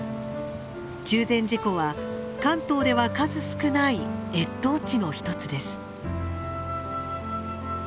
中禅寺湖は関東では数少ない越冬地の一つです。